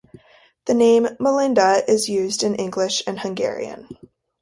The name Melinda is used in English and Hungarian.